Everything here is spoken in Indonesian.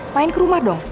main ke rumah dong